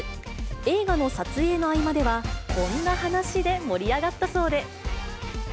映画の撮影の合間では、こんな話で盛り上がったそうで。